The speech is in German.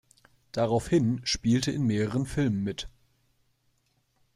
Daraufhin spielte in mehreren Filmen mit.